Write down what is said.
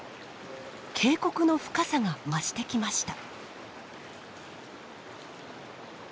渓谷の深さが増してきました。